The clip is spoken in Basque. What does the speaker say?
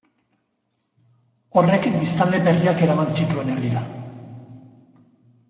Horrek biztanle berriak eraman zituen herrira.